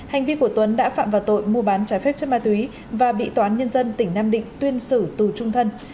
hành vi của tuấn đã phạm vào tội mua bán trái phép chất ma túy và bị tòa án nhân dân tỉnh nam định tuyên xử tù trung thân